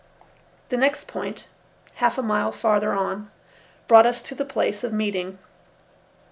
The next point, half a mile farther on, brought us to the place of meeting.